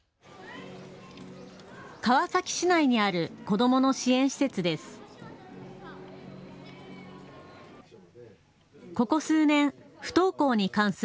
川崎市内にある子どもの支援施設です。